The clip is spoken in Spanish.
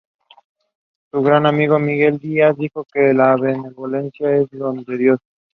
Su gran amigo Miguel Díaz dijo que: "La benevolencia es un don de Dios.